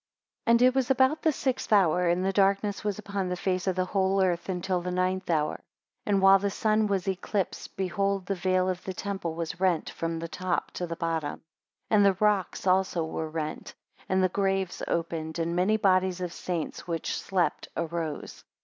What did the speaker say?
AND it was about the sixth hour, and darkness was upon the face of the whole earth until the ninth hour. 2 And while the sun was eclipsed, behold the veil of the temple was rent from the top, to the bottom; and the rocks also were rent, and the graves opened, and many bodies of saints, which slept, arose.